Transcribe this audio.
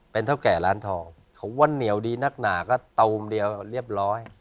เป็นเท่าแก่ร้านทองเขาว่าเหนียวดีนักหนาก็ตูมเดียวเรียบร้อย